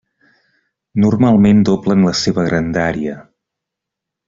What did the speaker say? Normalment doblen la seva grandària.